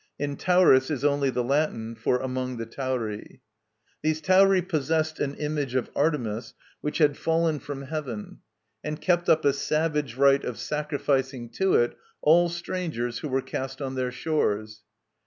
(In Tauris is only the Latin for "among the Tauri.") These Tauri possessed an image of Artemis which had fallen from heaven, and kept up a savage rite of sacrificing to it all strangers who were cast on their shores.